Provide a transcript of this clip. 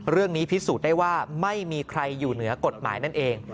พิสูจน์ได้ว่าไม่มีใครอยู่เหนือกฎหมายนั่นเอง